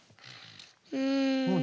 うん。